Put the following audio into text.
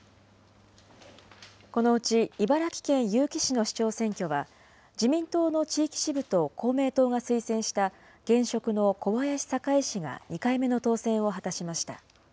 このうち茨城県結城市の市長選挙は、自民党の地域支部と公明党が推薦した現職の小林栄氏が２回目の当選を果たしました。